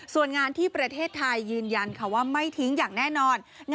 ส่วนงานที่ประเทศไทยยืนยันว่าไม่ทิ้งอย่างแน่นอน